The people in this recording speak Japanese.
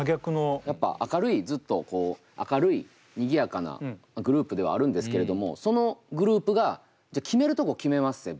やっぱ明るいずっとこう明るいにぎやかなグループではあるんですけれどもそのグループが決めるとこ決めまっせ。